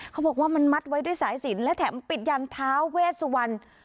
เขาบอกว่ามันมัดไว้ด้วยสายสินและแถมปิดยันท้าเวสวรรณ